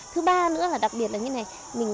thứ ba nữa là đặc biệt là như thế này